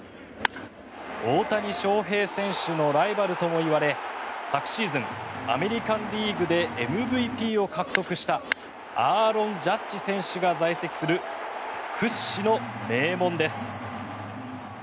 大谷翔平選手のライバルともいわれ昨シーズンアメリカン・リーグでＭＶＰを獲得したアーロン・ジャッジ選手が在籍する屈指の名門です。